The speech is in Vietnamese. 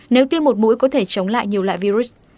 nếu tiêm một mũi có thể chống lại nhiều loại virus